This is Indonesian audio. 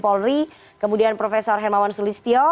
polri kemudian prof hermawan sulistyo